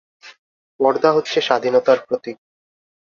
পর্দা হচ্ছে স্বাধীনতার প্রতীক।